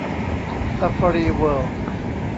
ซาฟารีเวิลด์